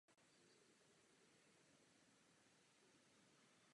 Působí z domu či z jiného vzdáleného místa.